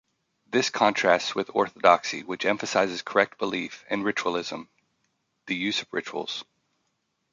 This contrasts with orthodoxy, which emphasizes correct belief, and ritualism, the use of rituals.